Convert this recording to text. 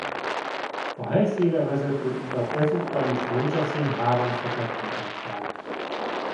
A helyszínre vezető utat ezúttal is rózsaszín háromszögek mutatták.